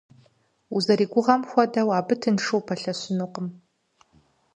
Узэригугъэм хуэдэу абы тыншу упэлъэщынукъым.